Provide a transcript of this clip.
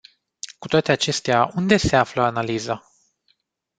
Cu toate acestea, unde se află analiza?